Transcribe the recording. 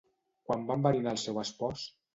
Quan va enverinar el seu espòs?